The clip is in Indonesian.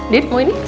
dit mau ini